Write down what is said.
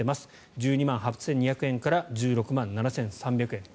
１２万８２００円から１６万７３００円と。